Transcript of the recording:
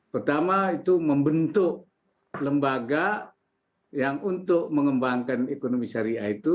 pertama itu membentuk lembaga yang untuk mengembangkan ekonomi syariah itu